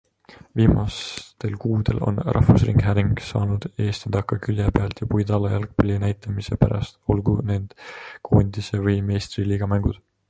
Viimastel kuudel on rahvusringhääling saanud eest ja takka, külje pealt ja puid alla jalgpalli näitamise pärast, olgu need koondise- või meistriliigamängud.